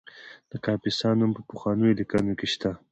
د کاپیسا نوم په پخوانیو لیکنو کې شته